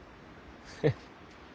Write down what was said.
フッ。